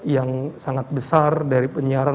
yang sangat besar dari penyiaran